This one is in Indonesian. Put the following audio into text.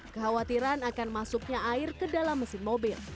kekhawatiran akan masuknya air ke dalam mesin mobil